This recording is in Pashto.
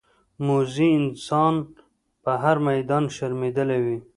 موزي انسان په هر میدان شرمېدلی وي.